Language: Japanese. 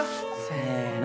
せの。